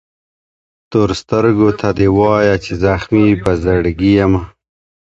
تورو سترګو ته دي وایه چي زخمي په زړګي یمه